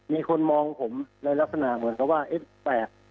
มีคนมองผมในลักษณะเหมือนกับว่าเอ๊ะแปลก